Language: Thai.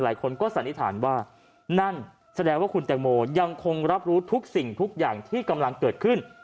หลายคนก็สันนิษฐานว่านั่นแสดงว่าคุณแตงโมยังคงรับรู้ทุกสิ่งทุกอย่างที่กำลังเกิดขึ้น